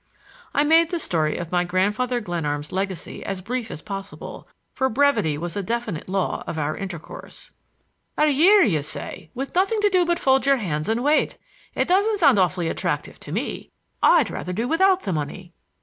I made the story of my Grandfather Glenarm's legacy as brief as possible, for brevity was a definite law of our intercourse. "A year, you say, with nothing to do but fold your hands and wait. It doesn't sound awfully attractive to me. I'd rather do without the money."